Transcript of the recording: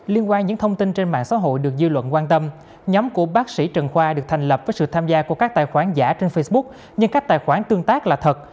liên quan những thông tin trên mạng xã hội được dư luận quan tâm nhóm của bác sĩ trần khoa được thành lập với sự tham gia của các tài khoản giả trên facebook nhưng các tài khoản tương tác là thật